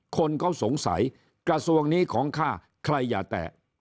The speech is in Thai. คนเขาสงสัยกระทรวงนี้ของข้าใครอย่าแตะ